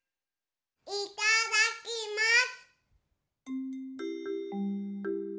いただきます。